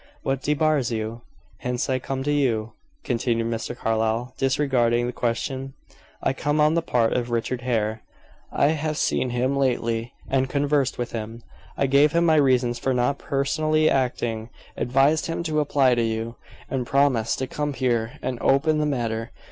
"What debars you?" "Hence I come to you," continued Mr. Carlyle, disregarding the question. "I come on the part of Richard Hare. I have seen him lately, and conversed with him. I gave him my reasons for not personally acting, advised him to apply to you, and promised to come here and open the matter.